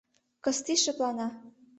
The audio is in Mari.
Кысти шыплана.